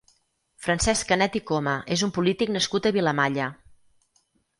Francesc Canet i Coma és un polític nascut a Vilamalla.